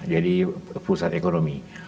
jadi pusat ekonomi